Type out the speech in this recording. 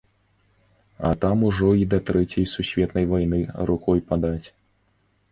А там ужо і да трэцяй сусветнай вайны рукой падаць.